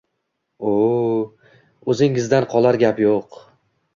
O’, o‘zingizdan qolar gap yo‘q